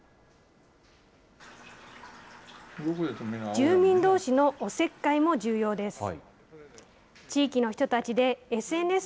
住民どうしのおせっかいも重要です。